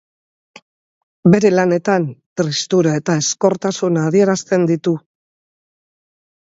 Bere lanetan tristura eta ezkortasuna adierazten ditu.